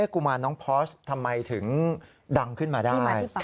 กุมารน้องพอสทำไมถึงดังขึ้นมาได้